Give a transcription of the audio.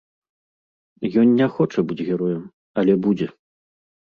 Ён не хоча быць героем, але будзе.